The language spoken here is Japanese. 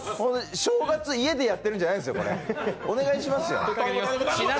正月、家でやってるんじゃないんですよ、お願いしますよ。